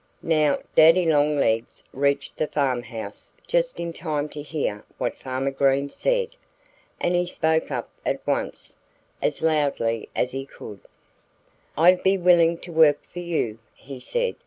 Now, Daddy Longlegs reached the farmhouse just in time to hear what Farmer Green said. And he spoke up at once as loudly as he could. "I'd be willing to work for you," he said.